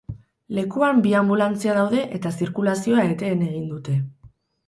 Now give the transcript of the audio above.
Lekuan bi anbulantzia daude eta zirkulazioa eten egin dute.